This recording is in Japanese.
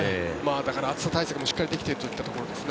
だから、暑さ対策もしっかりできているというところですね。